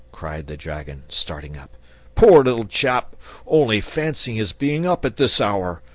cried the dragon, starting up. "Poor little chap, only fancy his being up at this hour!